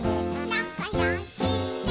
「なかよしね」